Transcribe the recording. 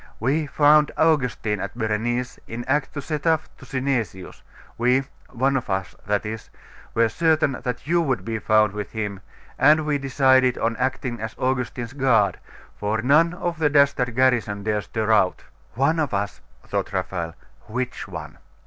We found Augustine at Berenice, in act to set off to Synesius: we one of us, that is were certain that you would be found with him; and we decided on acting as Augustine's guard, for none of the dastard garrison dare stir out.' 'One of us,' thought Raphael, 'which one?